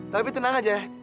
tapi tenang aja